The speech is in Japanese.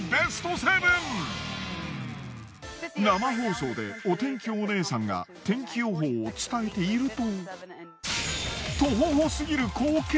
生放送でお天気お姉さんが天気予報を伝えていると。